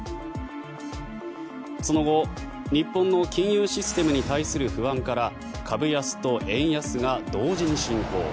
その後日本の金融システムに対する不安から株安と円安が同時に進行。